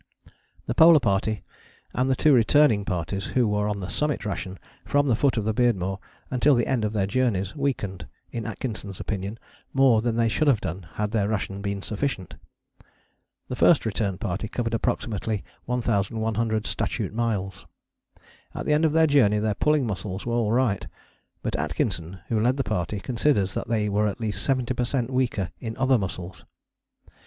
The Polar Party and the two returning parties, who were on the Summit ration from the foot of the Beardmore until the end of their journeys, weakened, in Atkinson's opinion, more than they should have done had their ration been sufficient. The First Return Party covered approximately 1100 statute miles. At the end of their journey their pulling muscles were all right, but Atkinson, who led the party, considers that they were at least 70 per cent weaker in other muscles.